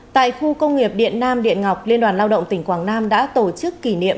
tại khu công nghiệp điện nam điện ngọc liên đoàn lao động tỉnh quảng nam đã tổ chức kỷ niệm